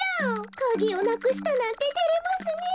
カギをなくしたなんててれますねえ。